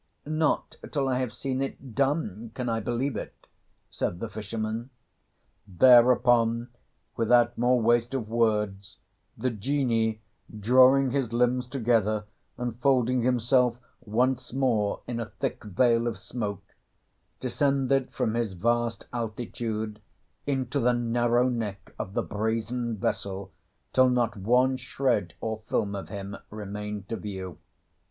"Not till I have seen it done can I believe it," said the fisherman. Thereupon, without more waste of words, the Genie, drawing his limbs together and folding himself once more in a thick veil of smoke, descended from his vast altitude into the narrow neck of the brazen vessel till not one shred or film of him remained to view.